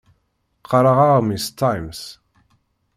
Qqaṛeɣ aɣmis Times.